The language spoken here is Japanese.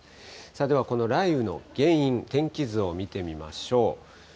では、この雷雨の原因、天気図を見てみましょう。